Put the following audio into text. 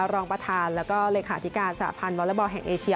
รองประธานแล้วก็เลขาธิการสหพันธ์วอเล็กบอลแห่งเอเชีย